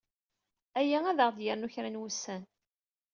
Aya ad aɣ-d-yernu kra n wussan.